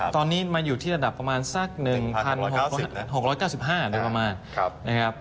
ตอนนี้มาอยู่ที่ระดับประมาณสัก๑๖๙๕บาท